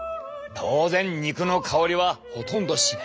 当然肉の香りはほとんどしない。